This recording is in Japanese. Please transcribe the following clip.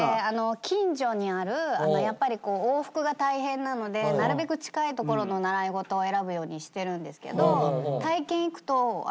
近所にあるやっぱり往復が大変なのでなるべく近いところの習い事を選ぶようにしてるんですけど。